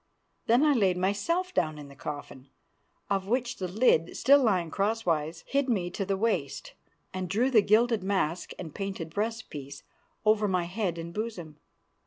Then I laid myself down in the coffin, of which the lid, still lying crosswise, hid me to the waist, and drew the gilded mask and painted breast piece over my head and bosom.